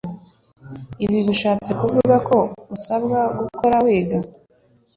Ibi bishatse kuvuga ko usabwa guhora wiga